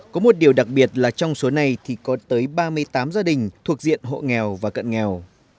có một điều đặc biệt là trong số này thì có tới ba mươi tám gia đình thuộc diện hộ nghèo và cận nghèo